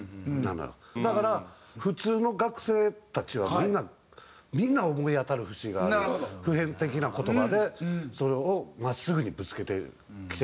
だから普通の学生たちはみんな思い当たる節がある普遍的な言葉でそれを真っすぐにぶつけてきてたから。